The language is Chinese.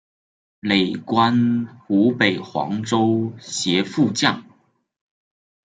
累官湖北黄州协副将。